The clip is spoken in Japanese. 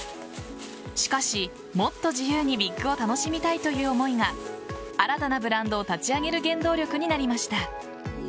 しかし、もっと自由にウィッグを楽しみたいという思いが新たなブランドを立ち上げる原動力になりました。